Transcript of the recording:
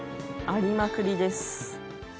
ありまくりです。